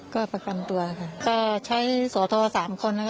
ก็ใช้โสโท๓คน